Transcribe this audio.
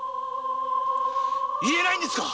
言えないんですか？